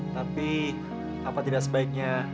tapi apa tidak sebaiknya